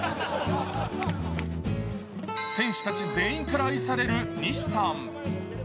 選手たち全員から愛される西さん。